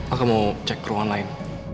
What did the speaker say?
aku mau cek ruangan lain